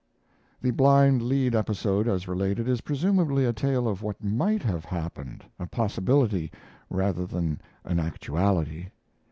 The "Blind Lead" episode, as related, is presumably a tale of what might have happened a possibility rather than an actuality.